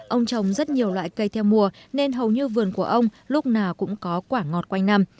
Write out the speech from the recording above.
ông trồng rất nhiều loại cây theo mùa nên hầu như vườn của ông lúc nào cũng có quả ngọt quanh năm